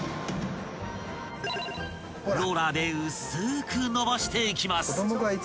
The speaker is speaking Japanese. ［ローラーで薄ーく延ばしていきます］